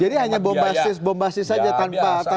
jadi hanya bombastis bombastis saja tanpa sustansi